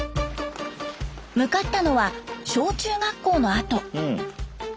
向かったのは小中学校の跡。